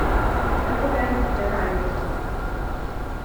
Also werden die Pläne eingestampft.